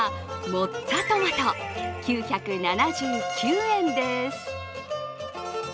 モッツァトマト９７９円です。